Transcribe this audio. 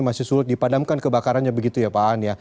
masih sulit dipadamkan kebakarannya begitu ya pak an